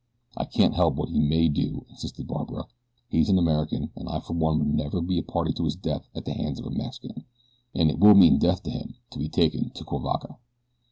"I can't help what he may do," insisted Barbara. "He's an American, and I for one would never be a party to his death at the hands of a Mexican, and it will mean death to him to be taken to Cuivaca."